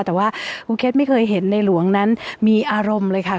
แต่ว่าครูเคสไม่เคยเห็นในหลวงนั้นมีอารมณ์เลยค่ะ